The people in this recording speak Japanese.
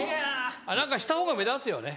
何かした方が目立つよね。